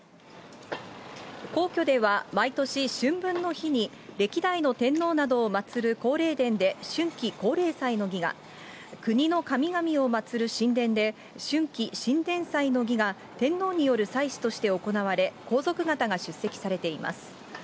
皇居では毎年、春分の日に、歴代の天皇などを祭る皇霊殿で春季皇霊祭の儀が、国の神々を祭る神殿で、春季神殿祭の儀が天皇による祭祀として行われ、皇族方が出席されています。